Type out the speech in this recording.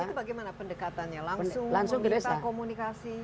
itu bagaimana pendekatannya langsung meminta komunikasi